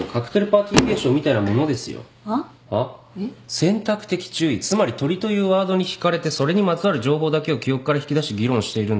選択的注意つまり鳥というワードに引かれてそれにまつわる情報だけを記憶から引き出し議論しているんです。